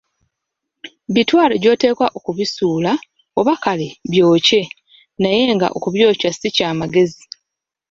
Bitwale gy‘oteekwa okubisuula oba kale byokye naye nga okubyokya si kya magezi.